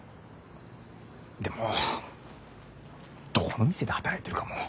でもどこの店で働いてるかも。